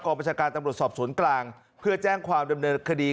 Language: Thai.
ประชาการตำรวจสอบสวนกลางเพื่อแจ้งความดำเนินคดี